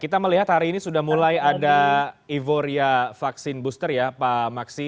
kita melihat hari ini sudah mulai ada euforia vaksin booster ya pak maksi